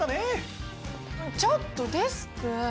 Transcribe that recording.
ちょっとデスク！